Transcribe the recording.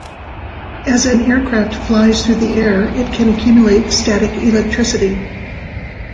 As an aircraft flies through the air, it can accumulate static electricity.